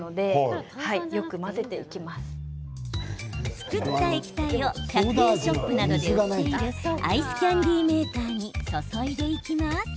作った液体を１００円ショップなどで売っているアイスキャンディーメーカーに注いでいきます。